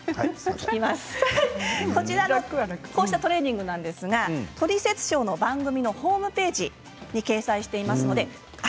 こうしたトレーニングなんですが「トリセツショー」の番組のホームページに掲載しています。